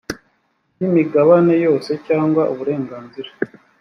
by imigabane yose cyangwa uburenganzira